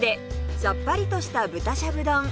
さっぱりとした豚しゃぶ丼